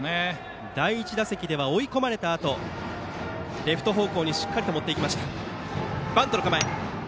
第１打席は追い込まれたあとレフト方向にしっかり持っていきました。